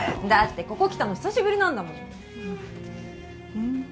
だってここ来たの久しぶりなんだもん。